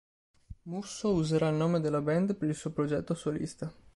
Musso userà il nome della band per il suo progetto solista.